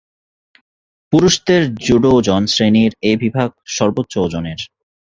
পুরুষদের জুডো ওজন শ্রেণীর এই বিভাগ সর্বোচ্চ ওজনের।